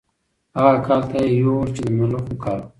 هغه کال ته یې یوړ چې د ملخو کال و.